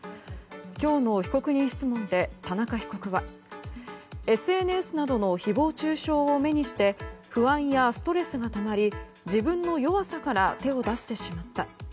今日の被告人質問で田中被告はＳＮＳなどの誹謗中傷を目にして不安やストレスがたまり自分の弱さから手を出してしまった。